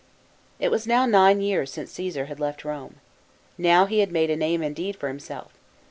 It was now nine years since Coesar had left Rome. Now he had made a name indeed for himself.